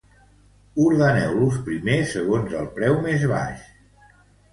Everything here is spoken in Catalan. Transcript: Ordeneu-los primer segons el preu més baix.